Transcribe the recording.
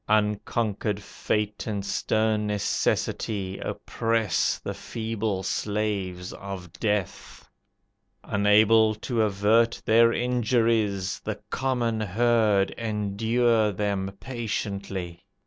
Unconquered Fate and stern necessity Oppress the feeble slaves of Death: Unable to avert their injuries, The common herd endure them patiently.